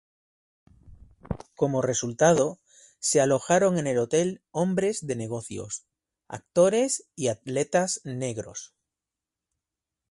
Como resultado, se alojaron en el hotel hombres de negocios, actores y atletas negros.